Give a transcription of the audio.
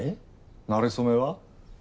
なれ初めは？